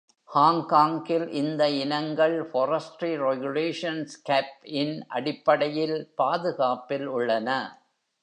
ஹாங்காங்கில், இந்த இனங்கள் Forestry Regulations Cap இன் அடிப்படையில் பாதுகாப்பில் உள்ளன.